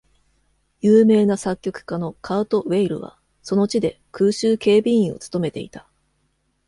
有名な作曲家のカート・ウェイルは、その地で空襲警備員を務めていた。